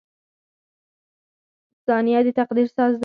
• ثانیه د تقدیر ساز دی.